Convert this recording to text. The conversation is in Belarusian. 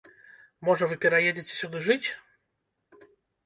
Можа вы пераедзеце сюды жыць?